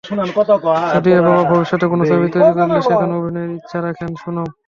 যদিও বাবা ভবিষ্যতে কোনো ছবি তৈরি করলে সেখানে অভিনয়ের ইচ্ছা রাখেন সোনম।